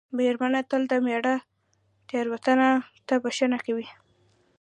مېرمنه تل د مېړه تېروتنو ته بښنه کوي.